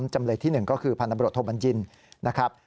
จำเลยที่๑ก็คือพนับรถโฮมันยินนะครับ